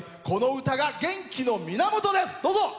この歌が元気の源です。